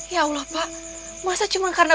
ya allah pak masa cuma karena